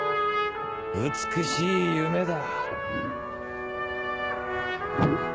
美しい夢だ。